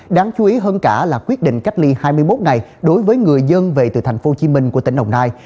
đáng chú ý hơn cả là quyết định cách ly hai mươi một ngày đối với người dân về từ tp hcm của tỉnh đồng nai